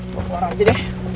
bawa keluar aja deh